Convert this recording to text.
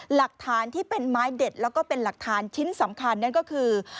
หลักฐานที่เป็นไม้เด็ดแล้วก็เป็นหลักฐานชิ้นสำคัญนั่นก็คือ